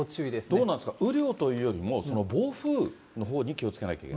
どうなんですか、雨量というよりも、暴風のほうに気をつけなきゃいけない？